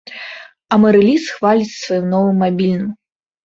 Амарыліс хваліцца сваім новым мабільным.